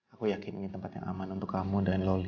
aku yakin ini tempat yang aman untuk kamu dan loli